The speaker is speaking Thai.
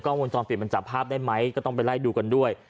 วงจรปิดมันจับภาพได้ไหมก็ต้องไปไล่ดูกันด้วย